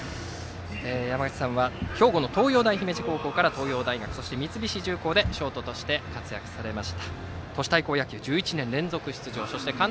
山口さんは兵庫の東洋大姫路高校から東洋大学、そして三菱重工でショートとして活躍されました。